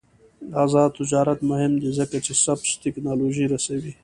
آزاد تجارت مهم دی ځکه چې سبز تکنالوژي رسوي.